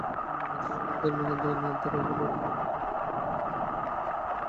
গাছের শুকনো পাতাটা নাহয় নাই ধরা গেল, কিন্তু গাছের ফলটা তো দেখতে হবে।